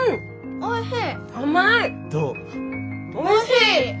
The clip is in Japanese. おいしい！